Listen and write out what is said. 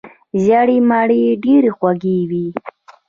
ژیړې مڼې ډیرې خوږې وي.